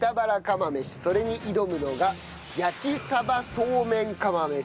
それに挑むのが焼鯖そうめん釜飯。